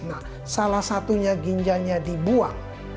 nah salah satunya ginjalnya dibuang